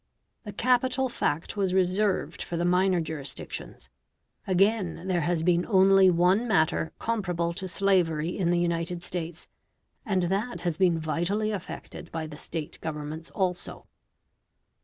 The capital fact was reserved for the minor jurisdictions. Again, there has been only one matter comparable to slavery in the United States, and that has been vitally affected by the State Governments also.